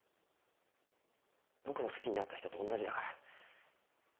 僕の好きになった人とおんなじだから。